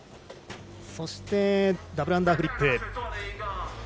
そして、ダブルアンダーフリップ。